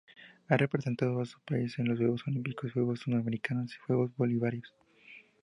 Ha representado a su país en los Juegos olímpicos, Juegos Suramericanos y Juegos Bolivarianos.